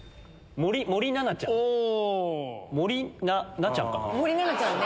森七菜ちゃんね。